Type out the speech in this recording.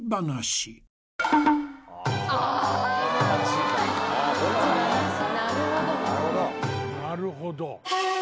なるほど。